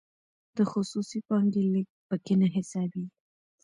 د خصوصي پانګې لیږد پکې نه حسابیږي.